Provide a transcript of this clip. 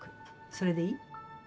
それでいい？